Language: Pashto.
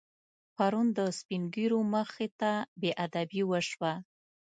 پرون د سپینږیرو مخې ته بېادبي وشوه.